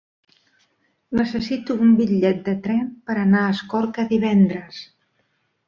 Necessito un bitllet de tren per anar a Escorca divendres.